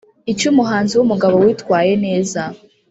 icy’umuhanzi w’umugabo witwaye neza